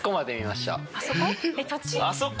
あそこ？